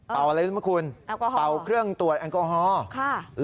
เป่าอะไรครับคุณเป่าเครื่องตรวจแอลกอฮอล์แอลกอฮอล์